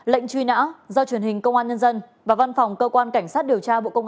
lệnh truy nã do truyền hình công an nhân dân và văn phòng cơ quan cảnh sát đồng đăng